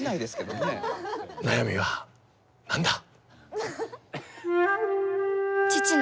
悩みは何だ？